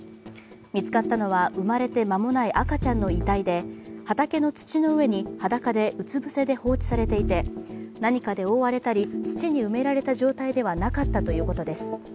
見つかったのは生まれて間もない赤ちゃんの遺体で畑の土の上に裸でうつ伏せで放置されていて何かで覆われたり土に埋められた状態ではなかったということです。